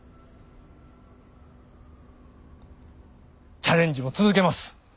チャレンジも続けます。